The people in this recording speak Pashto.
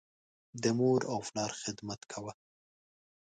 د مور او پلار خدمت کوه.